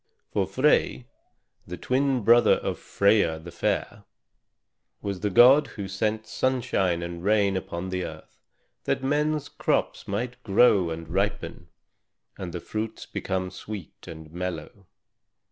For Frey, the twin brother of Freia the fair, was the god who sent sunshine and rain upon the earth that men's crops might grow and ripen, and the fruits become sweet and mellow.